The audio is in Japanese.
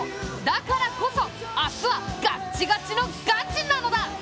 だからこそ明日はガチガチのガチなのだ！